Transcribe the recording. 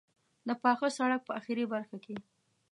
د پاخه سړک په آخري برخه کې.